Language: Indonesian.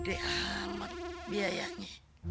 gede amat biayanya